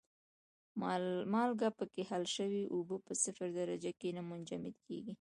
مالګه پکې حل شوې اوبه په صفر درجه کې نه منجمد کیږي.